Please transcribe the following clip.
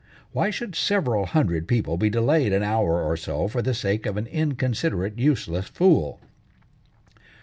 Why should several hundred people be delayed an hour or so for the sake of an inconsiderate, useless fool?"